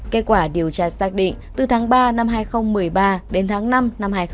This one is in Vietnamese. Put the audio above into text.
kết quả điều tra xác định từ tháng ba năm hai nghìn một mươi ba đến tháng năm năm hai nghìn một mươi tám